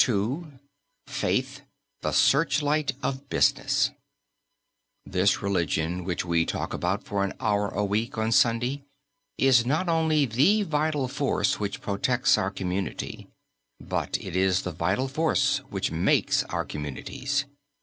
II FAITH THE SEARCHLIGHT OF BUSINESS This religion which we talk about for an hour a week, on Sunday, is not only the vital force which protects our community, but it is the vital force which makes our communities.